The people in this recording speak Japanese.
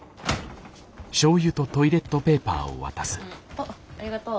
あっありがとう。